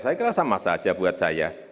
saya kira sama saja buat saya